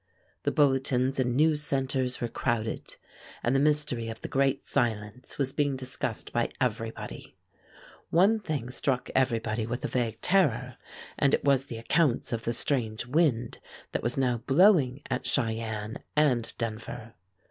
The bulletins and news centers were crowded, and the mystery of the great silence was being discussed by everybody. One thing struck everybody with a vague terror, and it was the accounts of the strange wind that was now blowing at Cheyenne and Denver.